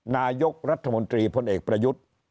นายกรัฐมนตรีพลเอกประยุทธ์